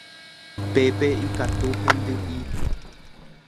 Pépe ikatu hendy'i.